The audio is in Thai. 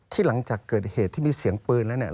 หลังจากเกิดเหตุที่มีเสียงปืนแล้วเนี่ย